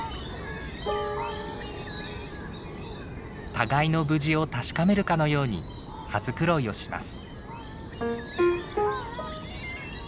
互いの無事を確かめるかのように羽繕いをします。